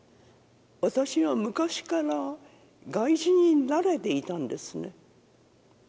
私が昔から外人に慣れていたんですね